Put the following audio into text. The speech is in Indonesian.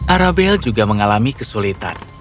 arabel juga mengalami kesulitan